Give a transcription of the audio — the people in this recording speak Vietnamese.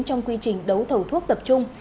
trong quy trình đấu thầu thuốc tập trung